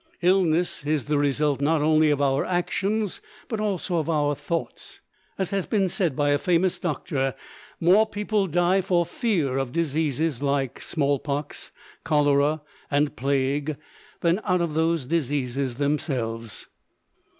Illness is the result not only of our actions but also of our thoughts. As has been said by a famous doctor, more people die for fear of diseases like small pox, cholera and plague than out of those diseases themselves.